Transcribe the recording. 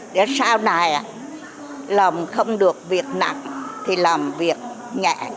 để sau này làm không được việc nặng thì làm việc nhẹ